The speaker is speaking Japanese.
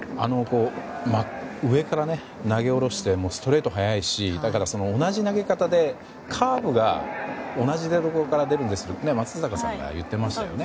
上から投げ下ろしてストレート速いし同じ投げ方でカーブが同じ方向から出ると松坂さんが言ってましたね。